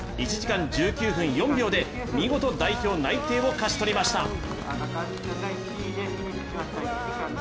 １時間１９分４秒で、見事代表内定を勝ち取りました。